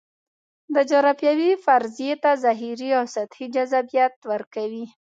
دا جغرافیوي فرضیې ته ظاهري او سطحي جذابیت ورکوي.